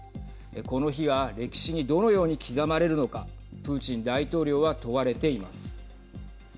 この日が歴史にどのように刻まれるのかプーチン大統領は問われています。